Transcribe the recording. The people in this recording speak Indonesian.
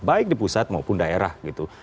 baik di pusat maupun daerah gitu